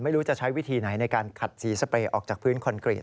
ไม่รู้จะใช้วิธีไหนในการขัดสีสเปรย์ออกจากพื้นคอนกรีต